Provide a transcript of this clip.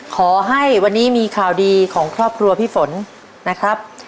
ขอให้วันนี้มีข่าวดีของครอบครัวพี่ฝนนะครับ